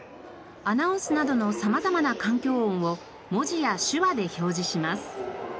アナウンスなどの様々な環境音を文字や手話で表示します。